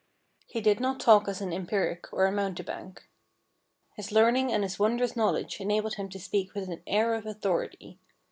He did not talk as an empiric or a mountebank. His learning and his wondrous knowledge enabled him to speak with an air of authority.